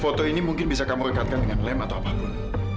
foto ini mungkin bisa kamu rekatkan dengan lem atau apapun